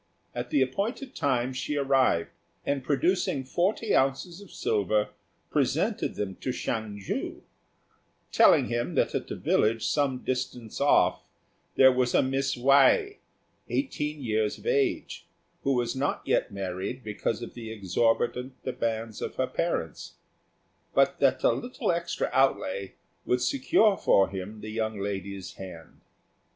At the appointed time she arrived, and, producing forty ounces of silver, presented them to Hsiang ju; telling him that at a village some distance off there was a Miss Wei, eighteen years of age, who was not yet married because of the exorbitant demands of her parents, but that a little extra outlay would secure for him the young lady's hand.